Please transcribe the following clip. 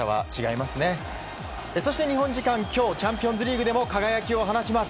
そして、日本時間、今日チャンピオンズリーグでも輝きを放ちます。